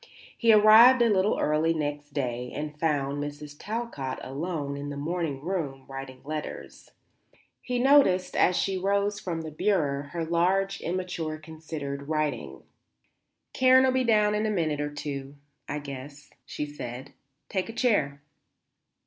He arrived a little early next day and found Mrs. Talcott alone in the morning room writing letters. He noticed, as she rose from the bureau, her large, immature, considered writing. "Karen'll be down in a minute or two, I guess," she said. "Take a chair."